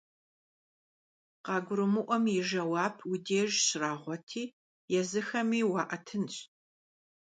КъагурымыӀуэм и жэуап уи деж щрагъуэти, езыхэми уаӀэтынщ.